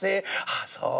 ああそう！